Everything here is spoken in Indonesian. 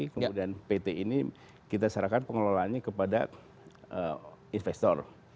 kemudian pt ini kita serahkan pengelolaannya kepada investor